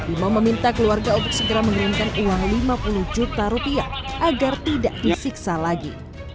imam meminta keluarga untuk segera mengirimkan uang lima puluh juta rupiah agar tidak disiksa lagi